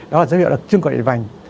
đó là dấu hiệu đặc trưng của điển vành